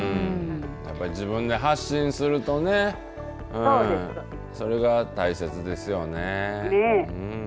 自分で発信するとねそれが大切ですよね。